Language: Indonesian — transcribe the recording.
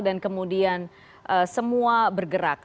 dan kemudian semua bergerak